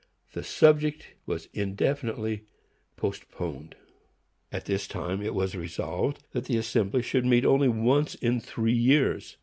The subject was indefinitely postponed. At this time it was resolved that the Assembly should meet only once in three years.